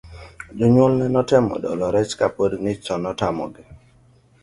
Jounyuolne notemo dolo rech kapod ng'ich to ne otamogi.